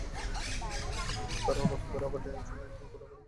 ফলে এখন তারা নতুন করে আবার ড্রেনেজ লাইনের জন্য খোঁড়াখুঁড়ি করছে।